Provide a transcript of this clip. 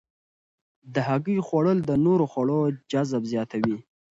د هګۍ خوړل د نورو خوړو جذب زیاتوي.